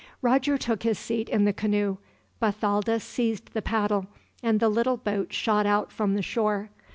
Roger took his seat in the canoe, Bathalda seized the paddle, and the little boat shot out from the shore.